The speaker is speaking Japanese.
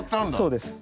そうです。